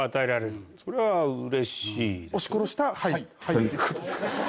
押し殺した「はい」ということですか？